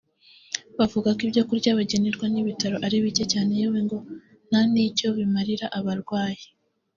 Bavuga ko ibyo kurya bagenerwa n’ibitaro ari bike cyane yewe ngo nta n’icyo bimarira abarwayi